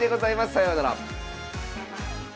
さようなら。